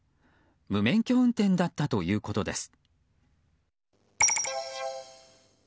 無免許運転だったということです。